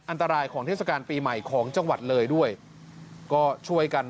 อันตรายของเทศกาลปีใหม่ของจังหวัดเลยด้วยก็ช่วยกัน